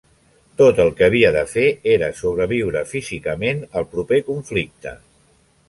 Tot el que havia de fer era sobreviure físicament al proper conflicte.